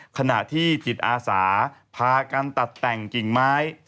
ขณะที่จิตอาสาพากันตัดแต่งกิ่งไม้